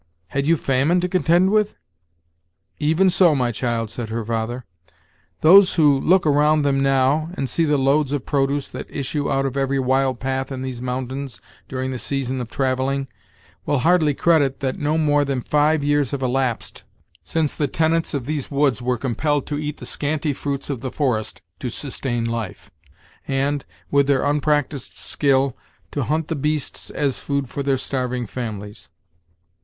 Had you famine to contend with?" "Even so, my child," said her father. "Those who look around them now, and see the loads of produce that issue out of every wild path in these mountains during the season of travelling, will hardly credit that no more than five years have elapsed since the tenants of these woods were compelled to eat the scanty fruits of the forest to sustain life, and, with their unpracticed skill, to hunt the beasts as food for their starving families."